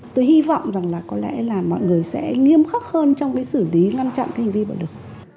tôi hy vọng rằng là có lẽ là mọi người sẽ nghiêm khắc hơn trong cái xử lý ngăn chặn cái hành vi bạo lực